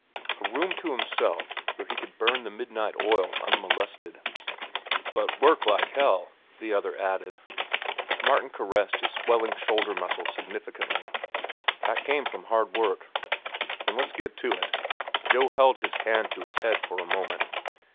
A room to himself where he could burn the midnight oil unmolested. "But work like hell," the other added. Martin caressed his swelling shoulder muscles significantly. "That came from hard work." "Then let's get to it." Joe held his hand to his head for a moment.